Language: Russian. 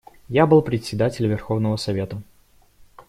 Я был председатель Верховного Совета.